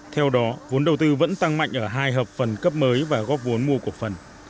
theo đó vốn đầu tư vẫn tăng mạnh ở hai hợp phần cấp mới và góp vốn mua cổ phần